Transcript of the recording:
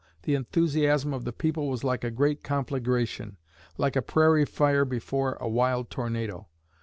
The enthusiasm of the people was like a great conflagration, like a prairie fire before a wild tornado.